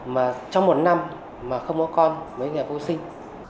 mà trong một năm mà không có con mới nhà vô sinh